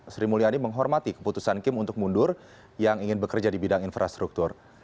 sri mulyani menghormati keputusan kim untuk mundur yang ingin bekerja di bidang infrastruktur